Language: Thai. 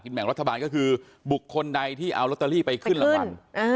แบ่งรัฐบาลก็คือบุคคลใดที่เอาลอตเตอรี่ไปขึ้นรางวัล